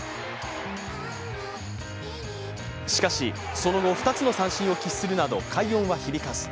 しかしその後、２つの三振を喫するなど快音は響かず。